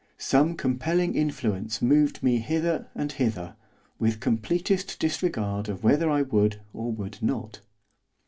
Some compelling influence moved me hither and hither, with completest disregard of whether I would or would not.